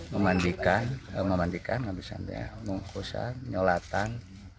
memandikan mengkosan nyolatan